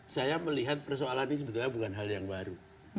saya melihat persoalan ini sebetulnya bukan hal yang baru